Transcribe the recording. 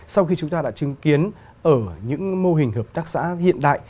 sau khi chúng ta đã chứng kiến ở những mô hình hợp tác xã hiện đại